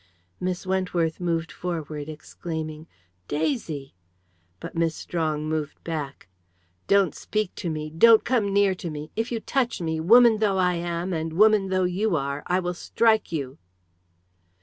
Miss Wentworth moved forward, exclaiming "Daisy!" But Miss Strong moved back. "Don't speak to me! Don't come near to me! If you touch me, woman though I am, and woman though you are, I will strike you!"